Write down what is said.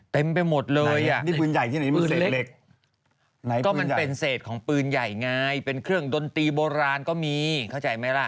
ก็มันเป็นเศษของปืนใหญ่ไงเป็นเครื่องดนตรีโบราณก็มีเข้าใจไหมล่ะ